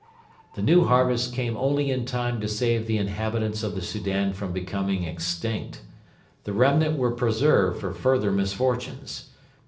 The new harvest came only in time to save the inhabitants of the Soudan from becoming extinct. The remnant were preserved for further misfortunes.